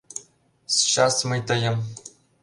Счас мый тыйым!..